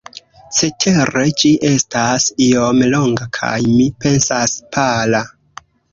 Cetere ĝi estas iom longa kaj, mi pensas, pala.